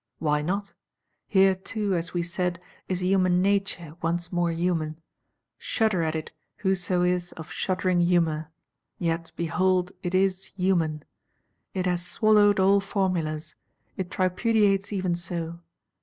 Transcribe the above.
Why not? Here too, as we said, is Human Nature once more human; shudder at it whoso is of shuddering humour: yet behold it is human. It has "swallowed all formulas;" it tripudiates even so.